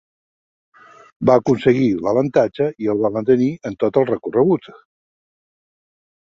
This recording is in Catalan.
Va aconseguir l'avantatge i el va mantenir en tot el recorregut.